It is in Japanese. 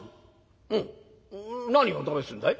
おお何を試すんだい？」。